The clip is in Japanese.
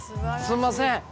すんません。